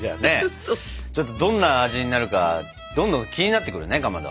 ちょっとどんな味になるかどんどん気になってくるねかまど。